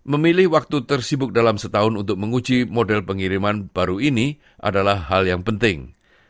memilih waktu tersibuk dalam setahun untuk menguji model pengiriman baru ini adalah hal yang penting